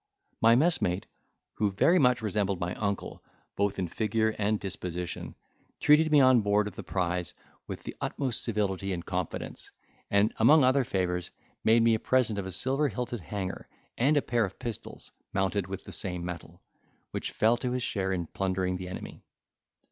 My messmate, who very much resembled my uncle, both in figure and disposition, treated me on board of the prize with the utmost civility and confidence: and, among other favours, made me a present of a silver hilted hanger, and a pair of pistols mounted with the same metal, which fell to his share in plundering the enemy.